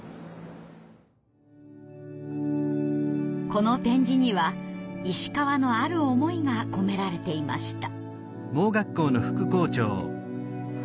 この点字には石川のある思いが込められていました。